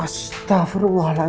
astagfirullahaladzim ya allah elsa